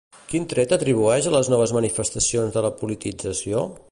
Quin tret atribueix a les noves manifestacions de la politització?